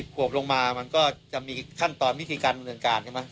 ขวบลงมามันก็จะมีขั้นตอนวิธีการดำเนินการใช่ไหม